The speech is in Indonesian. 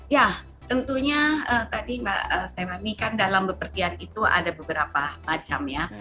ya tentunya tadi mbak stemani kan dalam bepergian itu ada beberapa macam ya